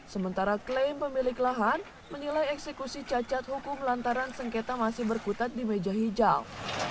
sementara klaim pemilik lahan menilai eksekusi cacat hukum lantaran sengketa masih berkutat di meja hijau